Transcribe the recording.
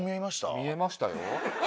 見えましたよ。